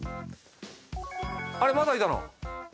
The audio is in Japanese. あれまだいたの？